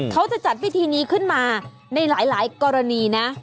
เขาจะจัดพิธีนี้ขึ้นมาในหลายกรณีนะ